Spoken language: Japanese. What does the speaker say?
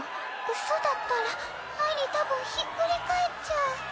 うそだったらあいりたぶんひっくり返っちゃう。